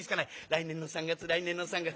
「来年の三月来年の三月」。